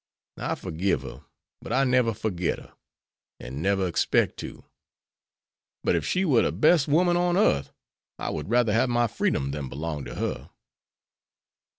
I forgive her, but I never forget her, and never expect to. But if she were the best woman on earth I would rather have my freedom than belong to her.